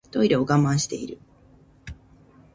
トイレ我慢してる